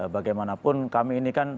bagaimanapun kami ini kan